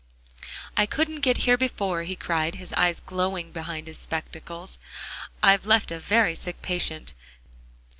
"I couldn't get here before," he cried, his eyes glowing behind his spectacles. "I've left a very sick patient.